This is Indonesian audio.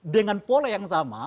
dengan pola yang sama